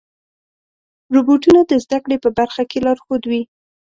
روبوټونه د زدهکړې په برخه کې لارښود وي.